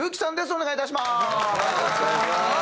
お願いいたします。